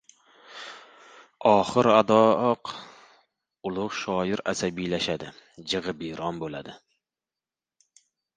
Oxir-odoq, ulug‘ shoir asabiylashadi, jig‘ibiyron bo‘ladi.